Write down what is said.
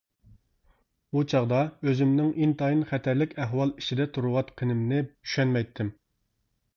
ئۇ چاغدا ئۆزۈمنىڭ ئىنتايىن خەتەرلىك ئەھۋال ئىچىدە تۇرۇۋاتقىنىمنى چۈشەنمەيتتىم.